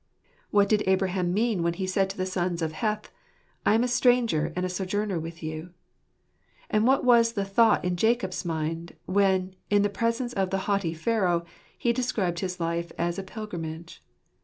What did Abraham mean when he said to the sons of Heth, "I am a stranger and a sojourner with you"? And what was the thought in Jacob's mind, when, in the presence of the haughty Pharaoh, he described his life as a "pilgrimage"?